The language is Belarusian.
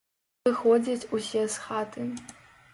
Выходзяць усе з хаты.